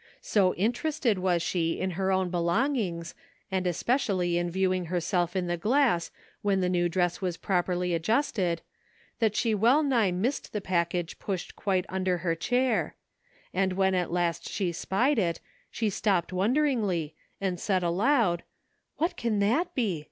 So interested was she in her own belongings, and especially in viewing herself ''MEBRT CHRISTMAS:' 313 in the glass when the new dress was properly adjusted, that she well nigh missed the package pushed quite under her chair ; and when at last she spied it she stopped wonderingly, and said aloud: "What can that be?